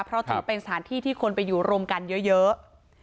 เพราะถือเป็นสถานที่ที่คนไปอยู่รวมกันเยอะ